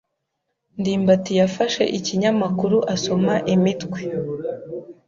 ndimbati yafashe ikinyamakuru asoma imitwe.